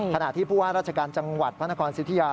ขณะที่ผู้ว่าราชการจังหวัดพระนครสิทธิยา